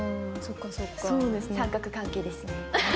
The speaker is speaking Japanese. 三角関係ですね。